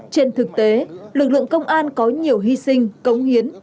trên thực tế lực lượng công an có nhiều hy sinh cống hiến